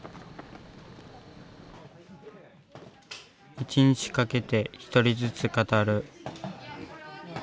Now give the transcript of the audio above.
１日かけて１人ずつ語る。